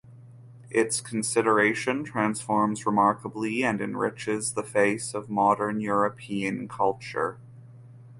Its consideration transforms remarkably and enriches the face of modern European culture.